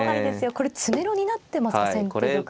これ詰めろになってますか先手玉は。